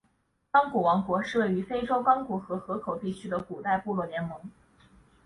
刚果王国是位于非洲刚果河河口地区的古代部落联盟。